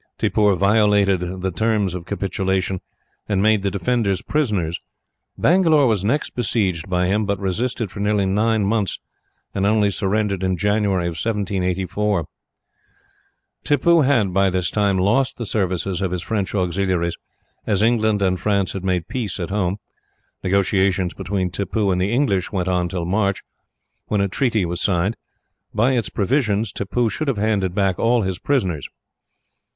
Tippoo violated the terms of capitulation, and made the defenders prisoners. Bangalore was next besieged by him, but resisted for nearly nine months, and only surrendered in January, 1784. "Tippoo had, by this time, lost the services of his French auxiliaries, as England and France had made peace at home. Negotiations between Tippoo and the English went on till March, when a treaty was signed. By its provisions, Tippoo should have handed back all his prisoners.